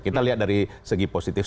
kita lihat dari segi positif